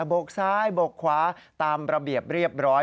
บกซ้ายบกขวาตามระเบียบเรียบร้อย